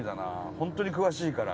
本当に詳しいから。